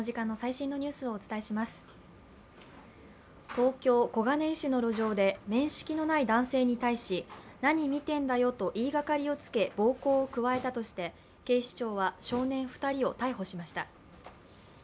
東京・小金井市の路上で面識のない男性に対し何見てんだよと言いがかりをつけ暴行を加えたとして警視庁は少年２人を逮捕しました。